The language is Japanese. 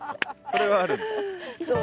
それはあるんだ。